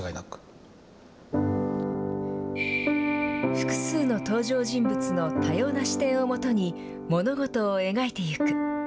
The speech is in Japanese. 複数の登場人物の多様な視点をもとに物事を描いていく。